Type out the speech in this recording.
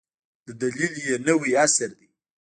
د دلیل یې نوی عصر دی.